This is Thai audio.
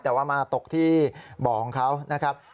แต่ว่ามาตกที่บ่อของเขานะครับ